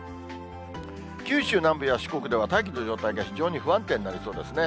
九州南部や四国では大気の状態が非常に不安定になりそうですね。